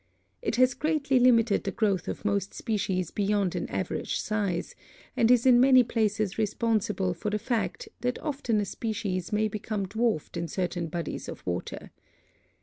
It has greatly limited the growth of most species beyond an average size, and is in many places responsible for the fact that often a species may become dwarfed in certain bodies of water.